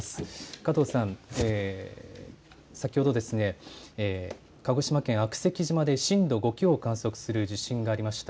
加藤さん、先ほど鹿児島県悪石島で震度５強を観測する地震がありました。